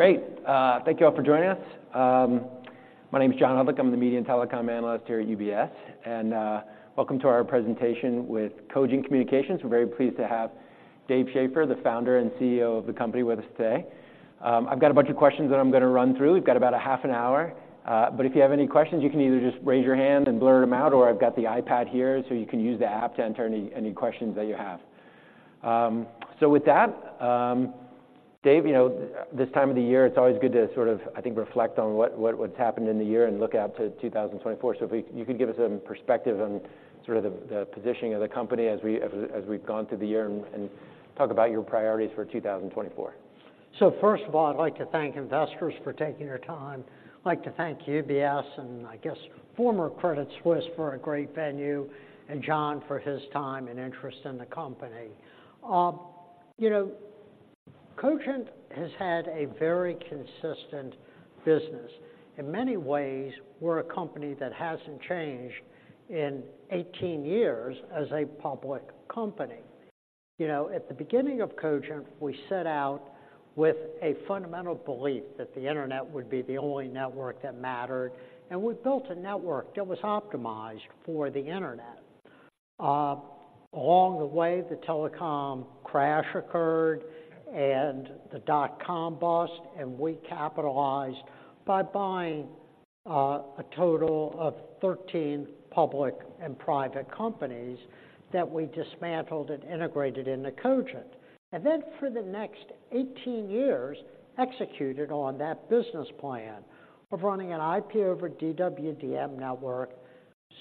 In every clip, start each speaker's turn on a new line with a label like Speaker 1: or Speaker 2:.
Speaker 1: Great. Thank you all for joining us. My name is John Hodulik. I'm the media and telecom analyst here at UBS, and welcome to our presentation with Cogent Communications. We're very pleased to have Dave Schaeffer, the founder and CEO of the company, with us today. I've got a bunch of questions that I'm going to run through. We've got about a half an hour, but if you have any questions, you can either just raise your hand and blurt them out, or I've got the iPad here So you can use the app to enter any questions that you have. So with that, Dave, you know, this time of the year, it's always good to sort of, I think, reflect on what, what, what's happened in the year and look out to 2024. So if you could give us some perspective on sort of the positioning of the company as we've gone through the year and talk about your priorities for 2024.
Speaker 2: So first of all, I'd like to thank investors for taking their time. I'd like to thank UBS and I guess former Credit Suisse, for a great venue, and John for his time and interest in the company. You know, Cogent has had a very consistent business. In many ways, we're a company that hasn't changed in 18 years as a public company. You know, at the beginning of Cogent, we set out with a fundamental belief that the Internet would be the only network that mattered, and we built a network that was optimized for the Internet. Along the way, the telecom crash occurred and the dotcom bust, and we capitalized by buying a total of 13 public and private companies that we dismantled and integrated into Cogent. And then for the next 18 years, executed on that business plan of running an IP over DWDM network,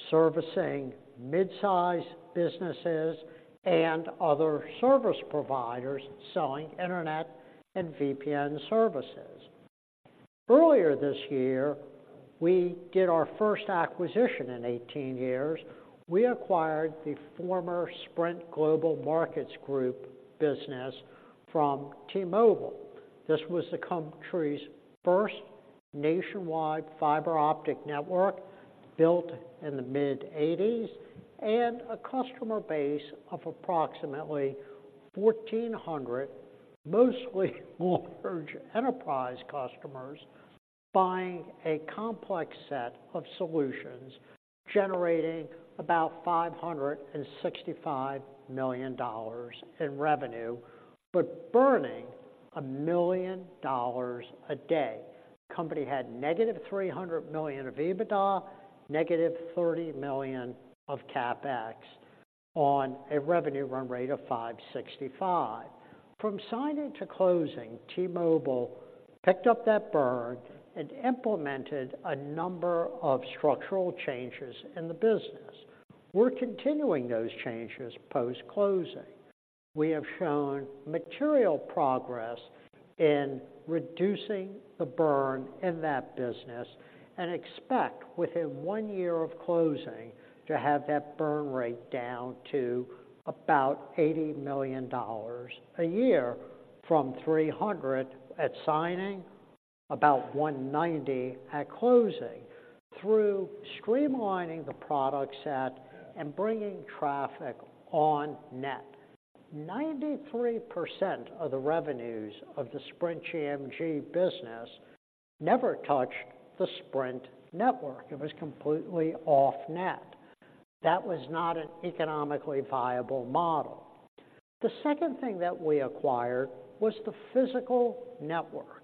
Speaker 2: servicing mid-size businesses and other service providers, selling internet and VPN services. Earlier this year, we did our first acquisition in 18 years. We acquired the former Sprint Global Markets Group business from T-Mobile. This was the country's first nationwide fiber optic network, built in the mid-eighties, and a customer base of approximately 1,400, mostly large enterprise customers, buying a complex set of solutions, generating about $565 million in revenue, but burning $1 million a day. The company had negative $300 million of EBITDA, negative $30 million of CapEx on a revenue run rate of $565. From signing to closing, T-Mobile picked up that burn and implemented a number of structural changes in the business. We're continuing those changes post-closing. We have shown material progress in reducing the burn in that business and expect within one year of closing, to have that burn rate down to about $80 million a year from $300 million at signing, about $190 million at closing, through streamlining the product set and bringing traffic on-net. 93% of the revenues of the Sprint GMG business never touched the Sprint network. It was completely off-net. That was not an economically viable model. The second thing that we acquired was the physical network.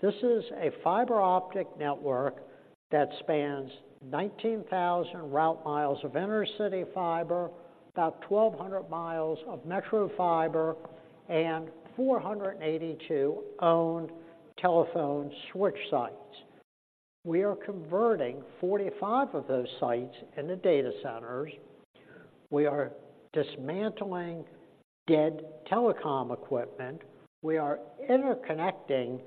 Speaker 2: This is a fiber optic network that spans 19,000 route miles of intercity fiber, about 1,200 miles of metro fiber, and 482 owned telephone switch sites. We are converting 45 of those sites into data centers. We are dismantling dead telecom equipment. We are interconnecting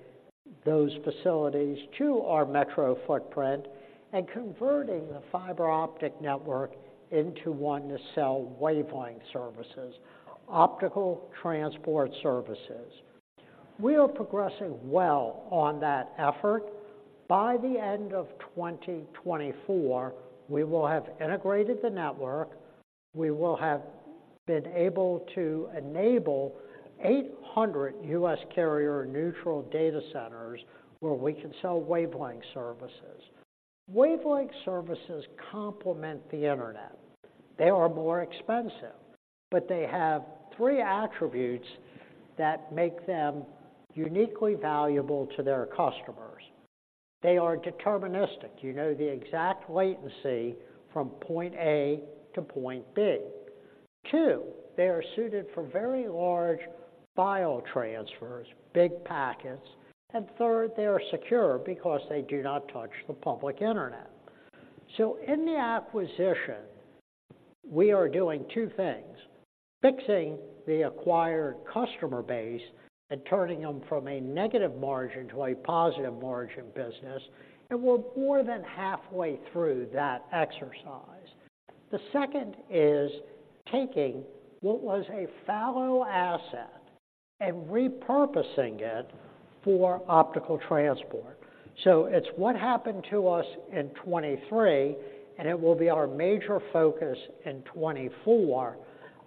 Speaker 2: those facilities to our metro footprint and converting the fiber optic network into one to sell wavelength services, optical transport services. We are progressing well on that effort. By the end of 2024, we will have integrated the network. We will have been able to enable 800 U.S. carrier-neutral data centers where we can sell wavelength services. Wavelength services complement the Internet. They are more expensive, but they have three attributes that make them uniquely valuable to their customers. They are deterministic. You know the exact latency from point A to point B. Two, they are suited for very large file transfers, big packets. And third, they are secure because they do not touch the public Internet. So in the acquisition, we are doing two things: fixing the acquired customer base and turning them from a negative margin to a positive margin business, and we're more than halfway through that exercise. The second is taking what was a fallow asset and repurposing it for optical transport. So it's what happened to us in 2023, and it will be our major focus in 2024,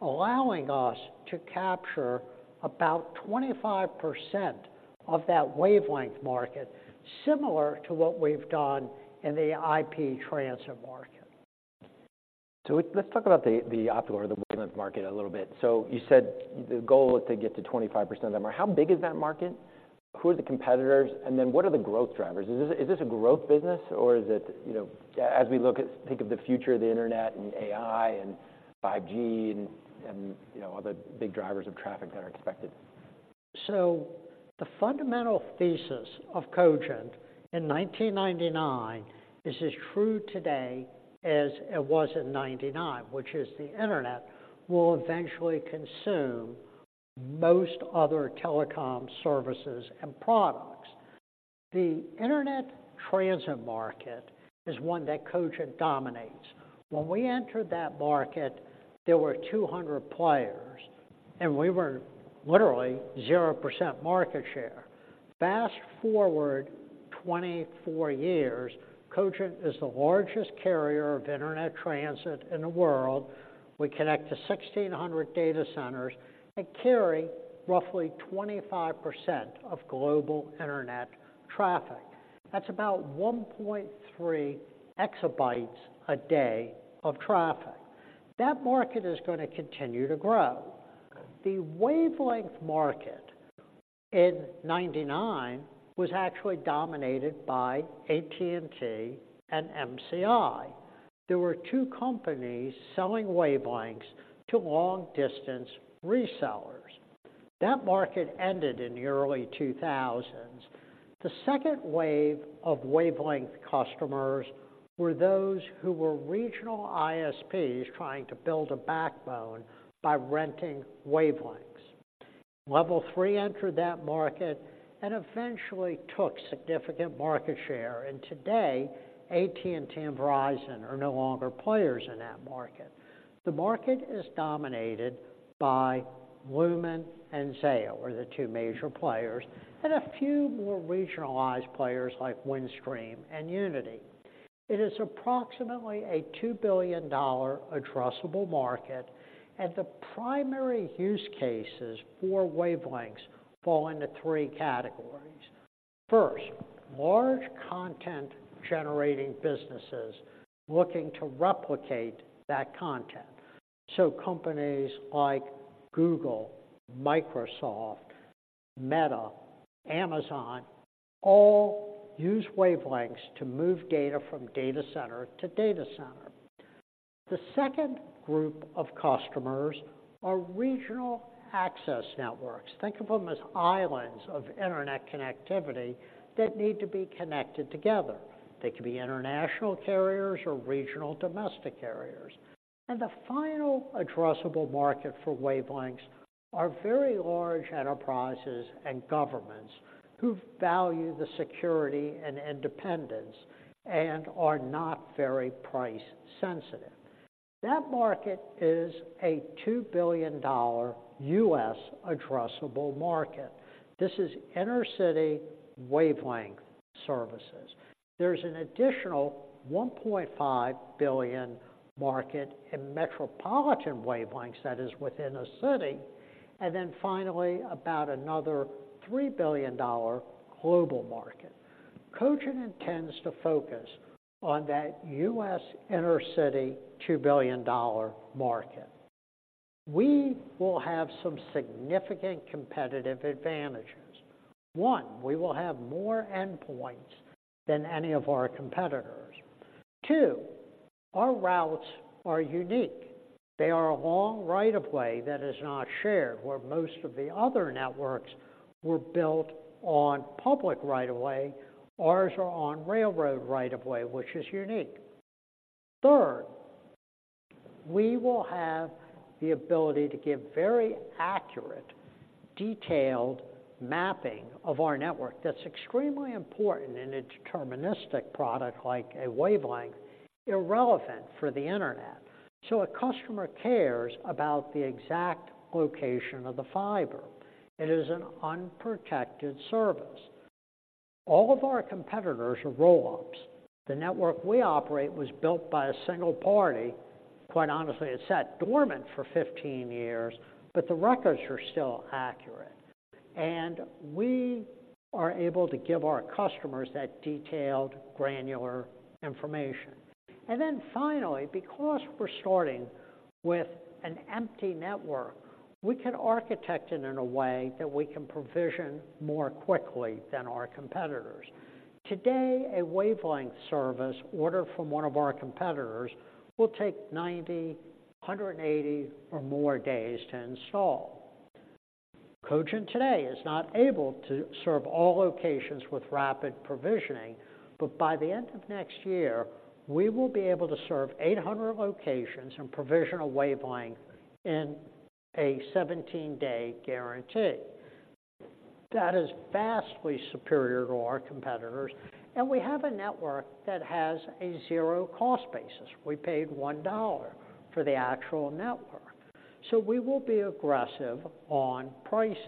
Speaker 2: allowing us to capture about 25% of that wavelength market, similar to what we've done in the IP transit market.
Speaker 1: So let's talk about the optical or the wavelength market a little bit. So you said the goal is to get to 25% of that market. How big is that market? Who are the competitors, and then what are the growth drivers? Is this a growth business, or is it, you know, think of the future of the internet, and AI, and 5G, and, you know, other big drivers of traffic that are expected?
Speaker 2: So the fundamental thesis of Cogent in 1999 is as true today as it was in 1999, which is the internet will eventually consume most other telecom services and products. The internet transit market is one that Cogent dominates. When we entered that market, there were 200 players, and we were literally 0% market share. Fast forward 24 years, Cogent is the largest carrier of internet transit in the world. We connect to 1,600 data centers and carry roughly 25% of global internet traffic. That's about 1.3 exabytes a day of traffic. That market is going to continue to grow. The wavelength market in 1999 was actually dominated by AT&T and MCI. There were 2 companies selling wavelengths to long-distance resellers. That market ended in the early 2000s. The second wave of wavelength customers were those who were regional ISPs trying to build a backbone by renting wavelengths. Level three entered that market and eventually took significant market share, and today, AT&T and Verizon are no longer players in that market. The market is dominated by Lumen and Zayo, are the two major players, and a few more regionalized players like Windstream and Uniti. It is approximately a $2 billion addressable market, and the primary use cases for wavelengths fall into three categories. First, large content-generating businesses looking to replicate that content. So companies like Google, Microsoft, Meta, Amazon, all use wavelengths to move data from data center to data center. The second group of customers are regional access networks. Think of them as islands of internet connectivity that need to be connected together. They can be international carriers or regional domestic carriers. The final addressable market for wavelengths are very large enterprises and governments who value the security and independence and are not very price sensitive. That market is a $2 billion U.S. addressable market. This is inner-city wavelength services. There's an additional $1.5 billion market in metropolitan wavelengths that is within a city, and then finally, about another $3 billion global market. Cogent intends to focus on that U.S. inter-city, $2 billion market. We will have some significant competitive advantages. One, we will have more endpoints than any of our competitors. Two, our routes are unique. They are a long right of way that is not shared, where most of the other networks were built on public right of way. Ours are on railroad right of way, which is unique. Third, we will have the ability to give very accurate, detailed mapping of our network. That's extremely important in a deterministic product like a wavelength, irrelevant for the internet. So a customer cares about the exact location of the fiber. It is an unprotected service. All of our competitors are roll-ups. The network we operate was built by a single party. Quite honestly, it sat dormant for 15 years, but the records are still accurate, and we are able to give our customers that detailed, granular information. And then finally, because we're starting with an empty network, we can architect it in a way that we can provision more quickly than our competitors. Today, a wavelength service ordered from one of our competitors will take 90, 180, or more days to install. Cogent today is not able to serve all locations with rapid provisioning, but by the end of next year, we will be able to serve 800 locations and provision a wavelength in a 17-day guarantee. That is vastly superior to our competitors, and we have a network that has a zero cost basis. We paid $1 for the actual network. So we will be aggressive on pricing.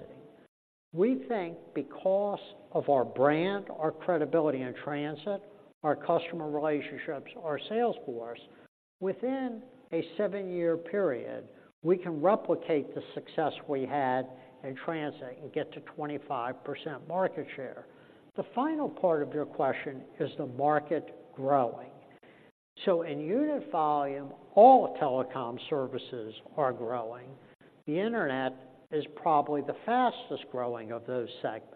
Speaker 2: We think because of our brand, our credibility in transit, our customer relationships, our sales force, within a seven year period, we can replicate the success we had in transit and get to 25% market share. The final part of your question, is the market growing? So in unit volume, all telecom services are growing. The Internet is probably the fastest growing of those segments.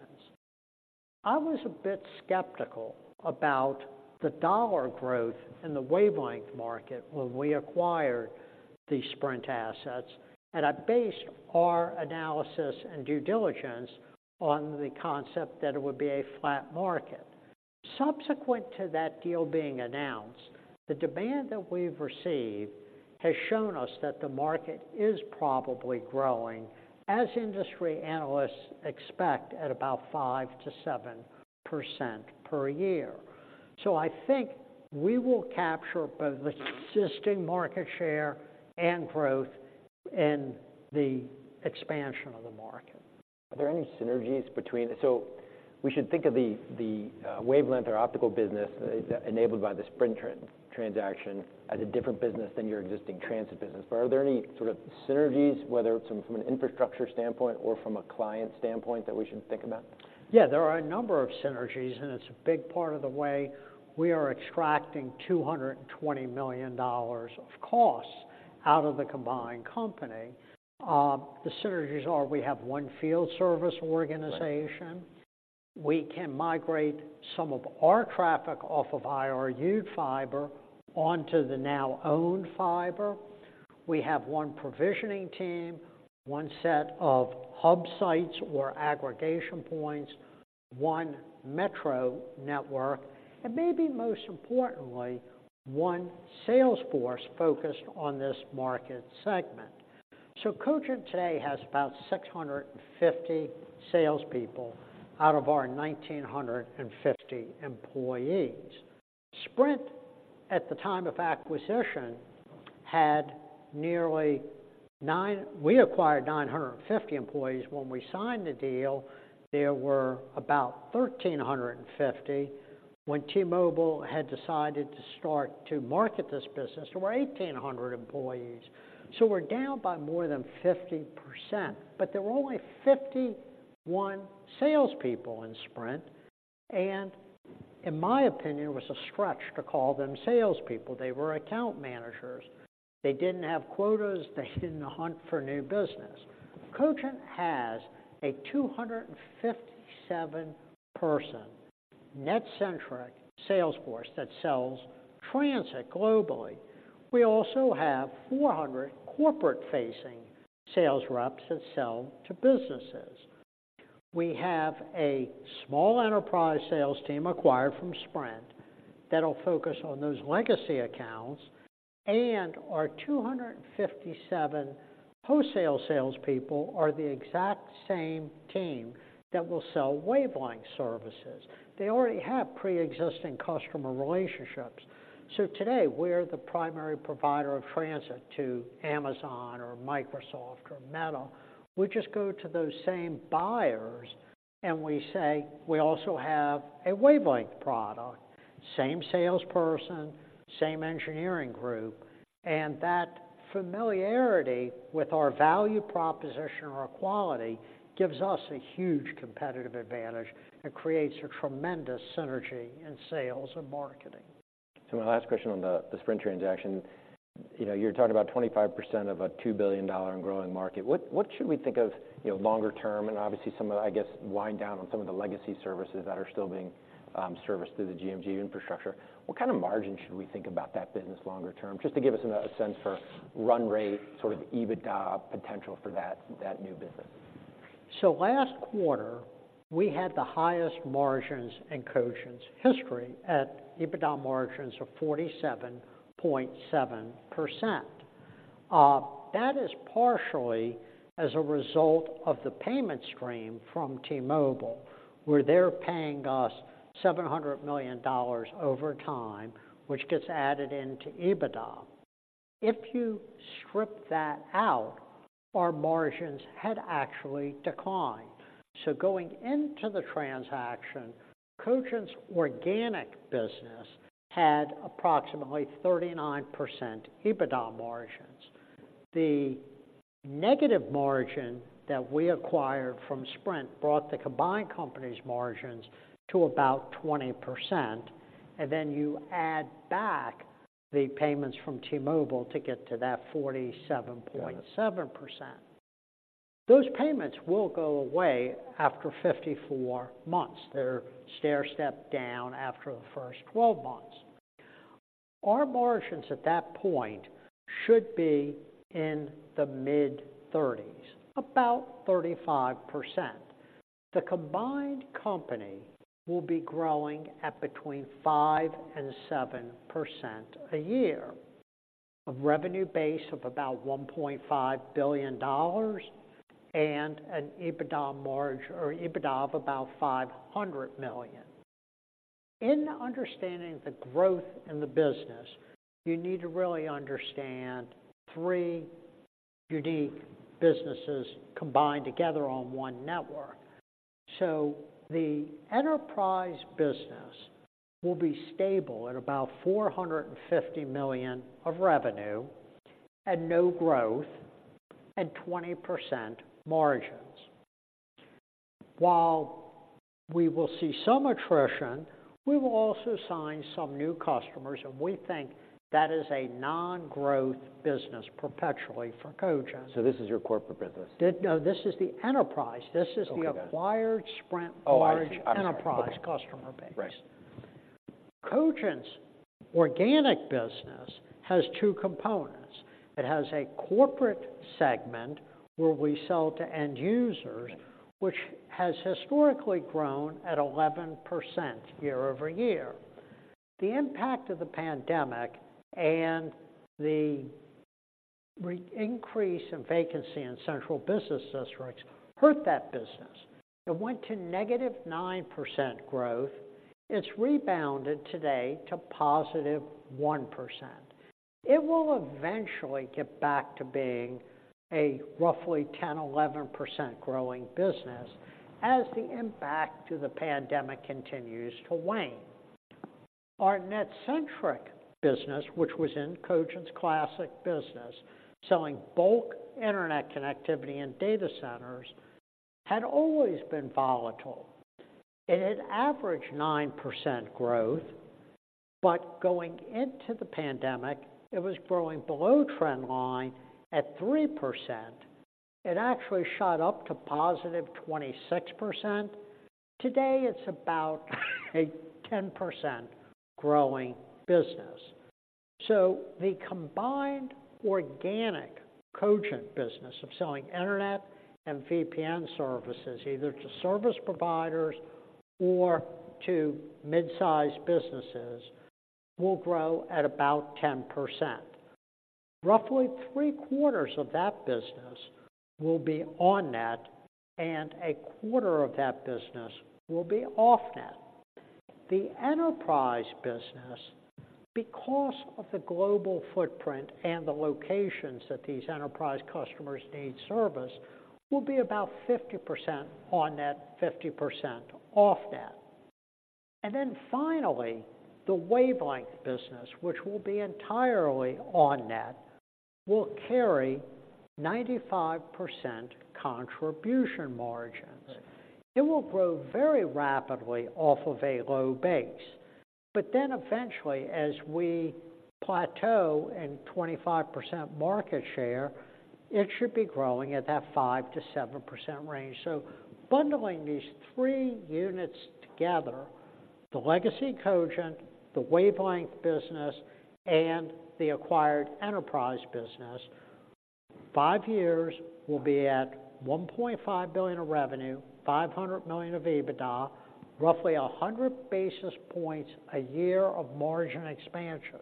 Speaker 2: I was a bit skeptical about the dollar growth in the wavelength market when we acquired these Sprint assets, and I based our analysis and due diligence on the concept that it would be a flat market. Subsequent to that deal being announced, the demand that we've received has shown us that the market is probably growing, as industry analysts expect, at about 5%-7% per year. So I think we will capture both the existing market share and growth in the expansion of the market.
Speaker 1: Are there any synergies between so we should think of the wavelength or optical business enabled by the Sprint transaction as a different business than your existing transit business. But are there any sort of synergies, whether it's from an infrastructure standpoint or from a client standpoint, that we should think about?
Speaker 2: Yeah, there are a number of synergies, and it's a big part of the way we are extracting $220 million of costs out of the combined company. The synergies are, we have one field service organization.
Speaker 1: Right.
Speaker 2: We can migrate some of our traffic off of IRU fiber onto the now owned fiber. We have one provisioning team, one set of hub sites or aggregation points, one metro network, and maybe most importantly, one sales force focused on this market segment. Cogent today has about 650 salespeople out of our 1,950 employees. Sprint, at the time of acquisition, had nearly nine-- we acquired 950 employees. When we signed the deal, there were about 1,350. When T-Mobile had decided to start to market this business, there were 1,800 employees. We're down by more than 50%, but there were only 51 salespeople in Sprint, and in my opinion, it was a stretch to call them salespeople. They were account managers. They didn't have quotas; they didn't hunt for new business. Cogent has a 257-person, net-centric sales force that sells transit globally. We also have 400 corporate-facing sales reps that sell to businesses. We have a small enterprise sales team acquired from Sprint that'll focus on those legacy accounts, and our 257 wholesale salespeople are the exact same team that will sell wavelength services. They already have pre-existing customer relationships. So today, we're the primary provider of transit to Amazon or Microsoft or Meta. We just go to those same buyers, and we say, "We also have a wavelength product." Same salesperson, same engineering group, and that familiarity with our value proposition or quality gives us a huge competitive advantage and creates a tremendous synergy in sales and marketing.
Speaker 1: So my last question on the, the Sprint transaction. You know, you're talking about 25% of a $2 billion and growing market. What, what should we think of, you know, longer term and obviously some of, I guess, wind down on some of the legacy services that are still being serviced through the GMG infrastructure? What kind of margin should we think about that business longer term? Just to give us a sense for run rate, sort of, EBITDA potential for that, that new business.
Speaker 2: So last quarter, we had the highest margins in Cogent's history at EBITDA margins of 47.7%. That is partially as a result of the payment stream from T-Mobile, where they're paying us $700 million over time, which gets added into EBITDA. If you strip that out, our margins had actually declined. So going into the transaction, Cogent's organic business had approximately 39% EBITDA margins. The negative margin that we acquired from Sprint brought the combined company's margins to about 20%, and then you add back the payments from T-Mobile to get to that 47.7%.
Speaker 1: Got it.
Speaker 2: Those payments will go away after 54 months. They're stairstep down after the first 12 months. Our margins at that point should be in the mid-30s, about 35%. The combined company will be growing at between 5% and 7% a year, a revenue base of about $1.5 billion, and an EBITDA margin or EBITDA of about $500 million. In understanding the growth in the business, you need to really understand three unique businesses combined together on one network. So the enterprise business will be stable at about $450 million of revenue and no growth and 20% margins. While we will see some attrition, we will also sign some new customers, and we think that is a non-growth business perpetually for Cogent.
Speaker 1: This is your corporate business?
Speaker 2: No, this is the enterprise.
Speaker 1: Okay, got it.
Speaker 2: This is the acquired Sprint large-
Speaker 1: Oh, I see.
Speaker 2: enterprise customer base.
Speaker 1: Right.
Speaker 2: Cogent's organic business has two components. It has a corporate segment, where we sell to end users, which has historically grown at 11% year-over-year. The impact of the pandemic and the increase in vacancy in central business districts hurt that business. It went to -9% growth. It's rebounded today to +1%. It will eventually get back to being a roughly 10-11% growing business as the impact of the pandemic continues to wane. Our NetCentric business, which was in Cogent's classic business, selling bulk internet connectivity and data centers, had always been volatile. It had averaged 9% growth, but going into the pandemic, it was growing below trend line at 3%. It actually shot up to +26%. Today, it's about a 10% growing business. The combined organic Cogent business of selling internet and VPN services, either to service providers or to mid-sized businesses, will grow at about 10%. Roughly three-quarters of that business will be on-net, and a quarter of that business will be off-net. The enterprise business, because of the global footprint and the locations that these enterprise customers need service, will be about 50% on-net, 50% off-net. Then finally, the Wavelength business, which will be entirely on-net, will carry 95% contribution margins.
Speaker 1: Right.
Speaker 2: It will grow very rapidly off of a low base. But then eventually, as we plateau in 25% market share, it should be growing at that 5%-7% range. So bundling these three units together, the legacy Cogent, the Wavelength business, and the acquired enterprise business, five years will be at $1.5 billion of revenue, $500 million of EBITDA, roughly 100 basis points a year of margin expansion.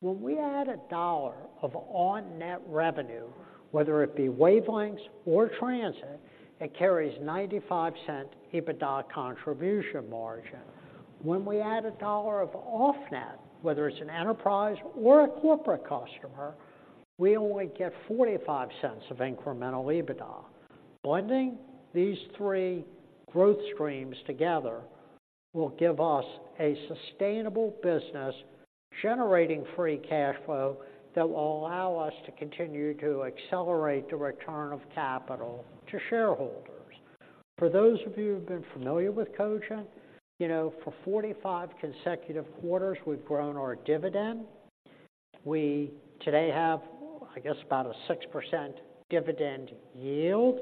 Speaker 2: When we add a dollar of on-net revenue, whether it be Wavelengths or Transit, it carries $0.95 EBITDA contribution margin. When we add a dollar of off-net, whether it's an enterprise or a corporate customer, we only get $0.45 of incremental EBITDA. Blending these three growth streams together will give us a sustainable business, generating free cash flow that will allow us to continue to accelerate the return of capital to shareholders. For those of you who've been familiar with Cogent, you know, for 45 consecutive quarters, we've grown our dividend. We today have, I guess, about a 6% dividend yield,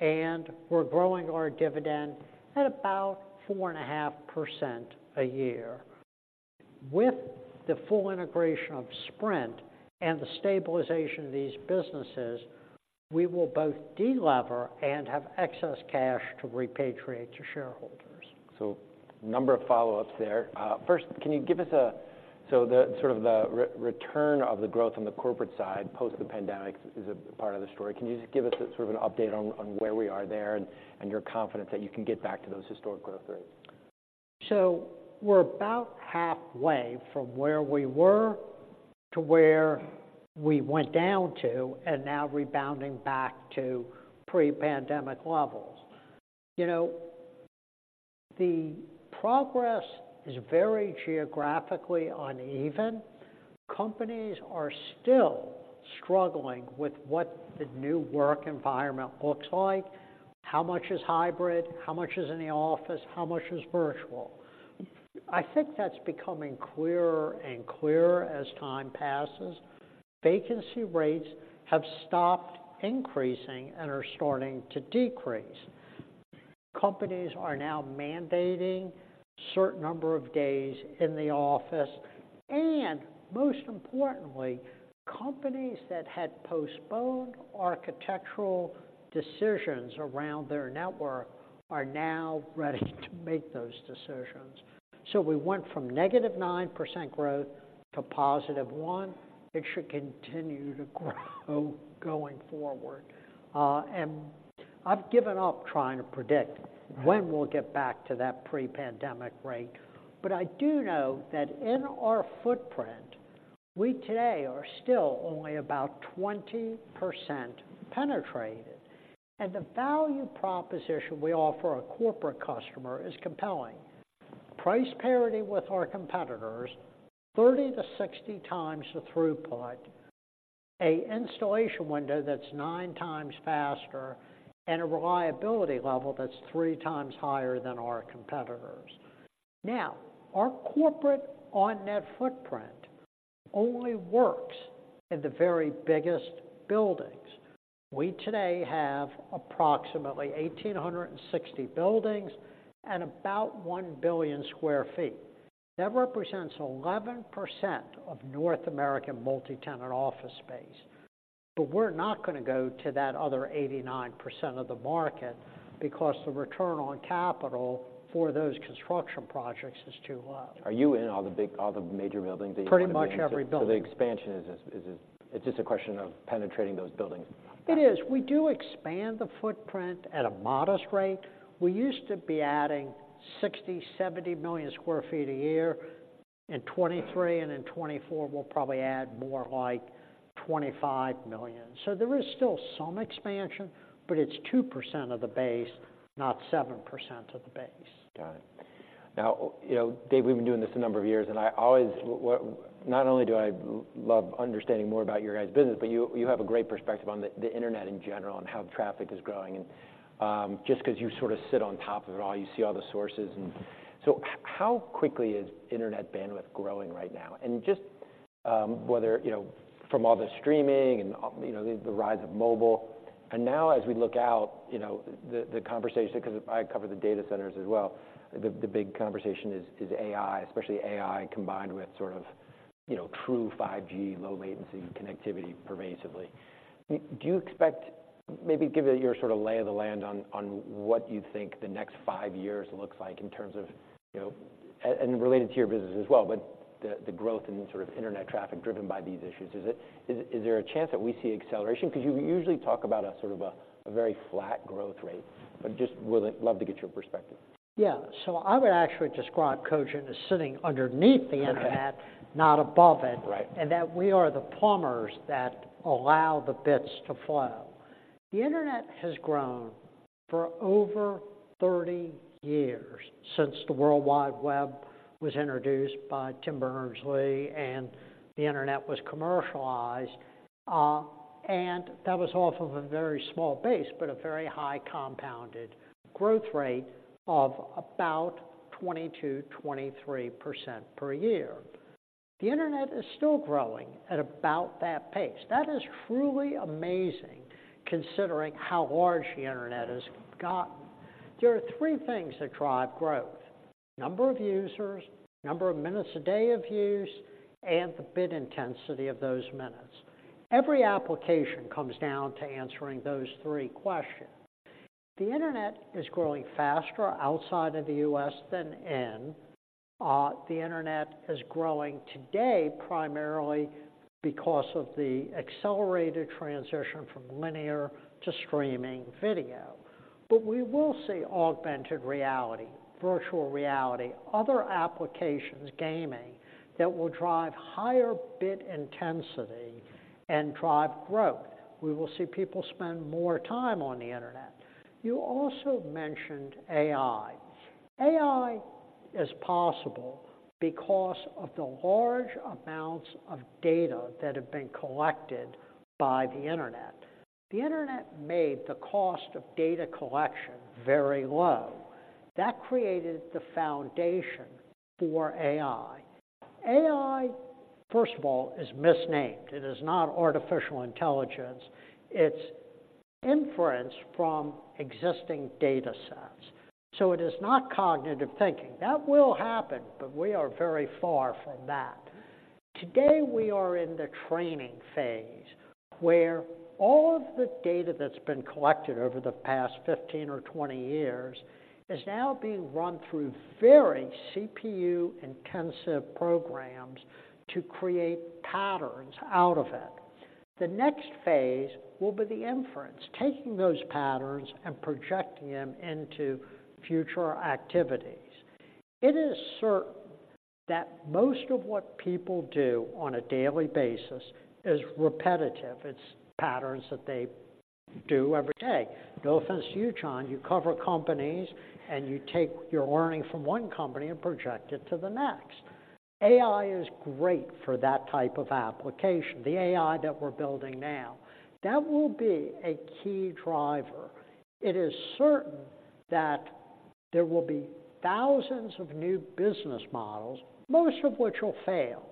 Speaker 2: and we're growing our dividend at about 4.5% a year. With the full integration of Sprint and the stabilization of these businesses, we will both delever and have excess cash to repatriate to shareholders.
Speaker 1: So a number of follow-ups there. First, can you give us sort of an update on the return of the growth on the corporate side post the pandemic, which is a part of the story. Can you just give us sort of an update on where we are there and you're confident that you can get back to those historic growth rates?
Speaker 2: So we're about halfway from where we were to where we went down to, and now rebounding back to pre-pandemic levels. You know, the progress is very geographically uneven. Companies are still struggling with what the new work environment looks like, how much is hybrid, how much is in the office, how much is virtual? I think that's becoming clearer and clearer as time passes. Vacancy rates have stopped increasing and are starting to decrease. Companies are now mandating certain number of days in the office, and most importantly, companies that had postponed architectural decisions around their network are now ready to make those decisions. So we went from negative 9% growth to positive 1%. It should continue to grow going forward. And I've given up trying to predict-
Speaker 1: Right.
Speaker 2: when we'll get back to that pre-pandemic rate. But I do know that in our footprint we today are still only about 20% penetrated, and the value proposition we offer our corporate customer is compelling. Price parity with our competitors, 30-60 times the throughput, an installation window that's 9 times faster, and a reliability level that's three times higher than our competitors. Now, our corporate on-net footprint only works in the very biggest buildings. We today have approximately 1,860 buildings and about 1 billion sq ft. That represents 11% of North American multi-tenant office space. But we're not going to go to that other 89% of the market, because the return on capital for those construction projects is too low.
Speaker 1: Are you in all the big, all the major buildings that you-
Speaker 2: Pretty much every building.
Speaker 1: So the expansion is, it's just a question of penetrating those buildings?
Speaker 2: It is. We do expand the footprint at a modest rate. We used to be adding 60-70 million sq ft a year. In 2023 and in 2024, we'll probably add more like 25 million sq ft. So there is still some expansion, but it's 2% of the base, not 7% of the base.
Speaker 1: Got it. Now, you know, Dave, we've been doing this a number of years, and I always not only do I love understanding more about your guys' business, but you, you have a great perspective on the, the internet in general and how traffic is growing. And just because you sort of sit on top of it all, you see all the sources. And so how quickly is internet bandwidth growing right now? And just whether, you know, from all the streaming and, you know, the rise of mobile, and now as we look out, you know, the, the conversation, because I cover the data centers as well, the, the big conversation is AI, especially AI, combined with sort of, you know, true 5G, low latency connectivity pervasively. Do you expect. Maybe give your sort of lay of the land on what you think the next five years looks like in terms of, you know, and related to your business as well, but the growth in sort of internet traffic driven by these issues. Is there a chance that we see acceleration? Because you usually talk about a sort of a very flat growth rate, but just would love to get your perspective.
Speaker 2: Yeah. So I would actually describe Cogent as sitting underneath the internet
Speaker 1: Okay...
Speaker 2: not above it.
Speaker 1: Right.
Speaker 2: That we are the plumbers that allow the bits to flow. The internet has grown for over 30 years since the World Wide Web was introduced by Tim Berners-Lee and the internet was commercialized, and that was off of a very small base, but a very high compounded growth rate of about 22%-23% per year. The internet is still growing at about that pace. That is truly amazing, considering how large the internet has gotten. There are three things that drive growth: number of users, number of minutes a day of use, and the bit intensity of those minutes. Every application comes down to answering those three questions. The internet is growing faster outside of the U.S. than in. The internet is growing today primarily because of the accelerated transition from linear to streaming video. But we will see augmented reality, virtual reality, other applications, gaming, that will drive higher bit intensity and drive growth. We will see people spend more time on the internet. You also mentioned AI. AI is possible because of the large amounts of data that have been collected by the internet. The internet made the cost of data collection very low. That created the foundation for AI. AI, first of all, is misnamed. It is not artificial intelligence, it's inference from existing data sets. So it is not cognitive thinking. That will happen, but we are very far from that. Today, we are in the training phase, where all of the data that's been collected over the past 15 or 20 years is now being run through very CPU-intensive programs to create patterns out of it. The next phase will be the inference, taking those patterns and projecting them into future activities. It is certain that most of what people do on a daily basis is repetitive. It's patterns that they do every day. No offense to you, John, you cover companies, and you take your learning from one company and project it to the next. AI is great for that type of application, the AI that we're building now. That will be a key driver. It is certain that there will be thousands of new business models, most of which will fail.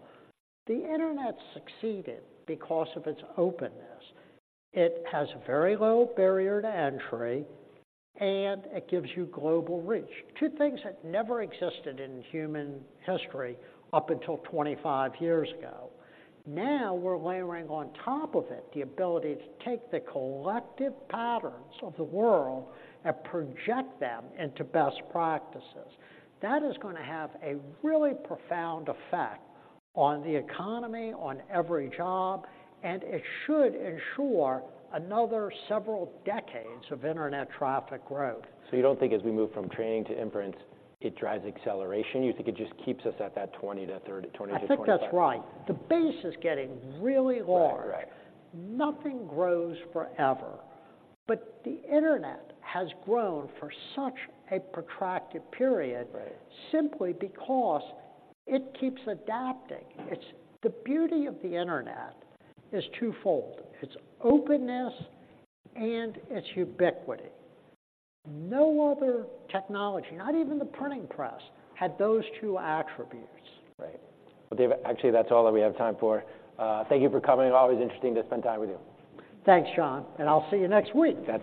Speaker 2: The internet succeeded because of its openness. It has very low barrier to entry, and it gives you global reach. Two things that never existed in human history up until 25 years ago. Now, we're layering on top of it the ability to take the collective patterns of the world and project them into best practices. That is going to have a really profound effect on the economy, on every job, and it should ensure another several decades of internet traffic growth.
Speaker 1: So you don't think as we move from training to inference, it drives acceleration? You think it just keeps us at that 20-30, 20-25?
Speaker 2: I think that's right. The base is getting really large.
Speaker 1: Right. Right.
Speaker 2: Nothing grows forever, but the internet has grown for such a protracted period
Speaker 1: Right
Speaker 2: Simply because it keeps adapting. The beauty of the internet is twofold: its openness and its ubiquity. No other technology, not even the printing press, had those two attributes.
Speaker 1: Right. Well, Dave, actually, that's all that we have time for. Thank you for coming, and always interesting to spend time with you.
Speaker 2: Thanks, John, and I'll see you next week.